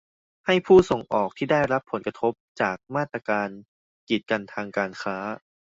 ให้ผู้ส่งออกที่ได้รับผลกระทบจากมาตรการกีดกันทางการค้า